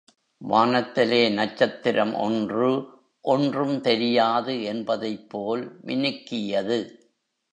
வானத்திலே நட்சத்திரம் ஒன்று, ஒன்றும் தெரியாது என்பதைப் போல் மினுக்கியது.